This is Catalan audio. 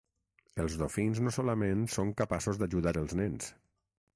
Els dofins no solament són capaços d'ajudar els nens.